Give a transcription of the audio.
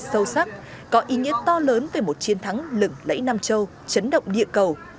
sâu sắc có ý nghĩa to lớn về một chiến thắng lừng lẫy nam châu chấn động địa cầu